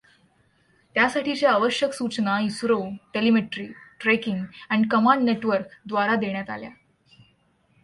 त्यासाठीच्या आवश्यक सूचना ISRO telemetry, tracking and command network द्वारा देण्यात आल्या.